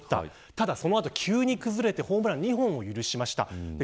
ただそのあと急に崩れてホームラン２本を許しました。